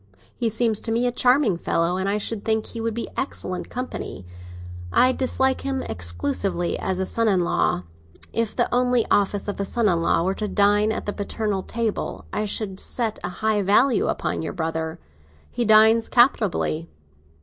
He seems to me a charming fellow, and I should think he would be excellent company. I dislike him, exclusively, as a son in law. If the only office of a son in law were to dine at the paternal table, I should set a high value upon your brother. He dines capitally.